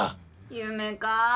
夢か。